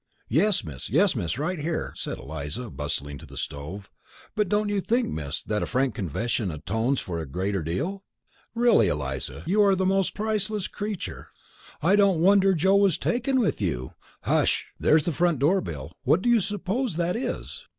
"Yes, Miss; yes, Miss; right here," said Eliza, bustling to the stove. "But don't you think, miss, that a frank confession atones for a great deal?" "Really, Eliza, you are the most priceless creature! I don't wonder Joe was taken with you! Hush! There's the front door bell; what do you suppose that is?"